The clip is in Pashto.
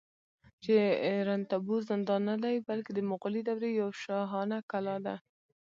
چې رنتنبور زندان نه دی، بلکې د مغولي دورې یوه شاهانه کلا ده